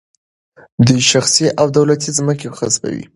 دوی شخصي او دولتي ځمکې غصبوي.